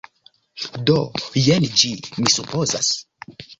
Do, jen ĝi. Mi supozas.